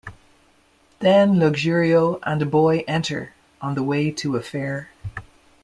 Then Luxurio and a boy enter, on the way to a fair.